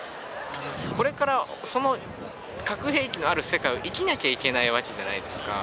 これからその核兵器のある世界を生きなきゃいけないわけじゃないですか。